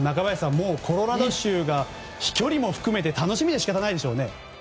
もうコロラド州は飛距離も含めて楽しみで仕方ないでしょうね。